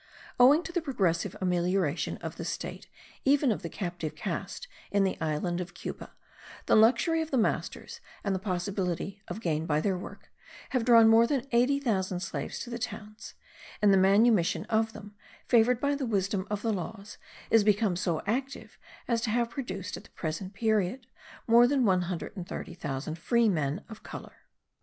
Owing to the progressive amelioration of the state even of the captive caste in the island of Cuba, the luxury of the masters and the possibility of gain by their work, have drawn more than eighty thousand slaves to the towns; and the manumission of them, favoured by the wisdom of the laws, is become so active as to have produced, at the present period, more than 130,000 free men of colour.